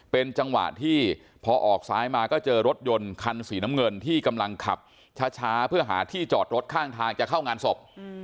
เป็นจังหวะที่พอออกซ้ายมาก็เจอรถยนต์คันสีน้ำเงินที่กำลังขับช้าเพื่อหาที่จอดรถข้างทางจะเข้างานศพ